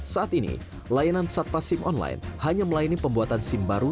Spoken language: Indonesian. saat ini layanan satpas sim online hanya melayani pembuatan sim baru